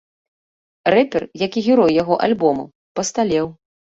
Рэпер, як і герой яго альбому, пасталеў.